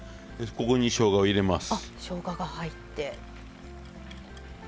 ここにしょうがを入れます。